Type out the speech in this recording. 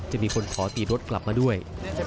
จะมีคนขอตีรถกลับมาด้วย